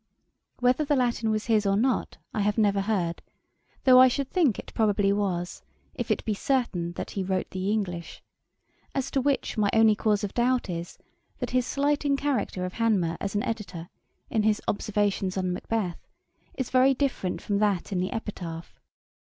Whether the Latin was his, or not, I have never heard, though I should think it probably was, if it be certain that he wrote the English; as to which my only cause of doubt is, that his slighting character of Hanmer as an editor, in his Observations on Macbeth, is very different from that in the 'Epitaph.'